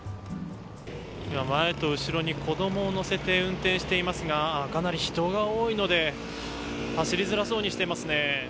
今、前と後ろに子どもを乗せて運転していますがかなり人が多いので走りづらそうにしていますね。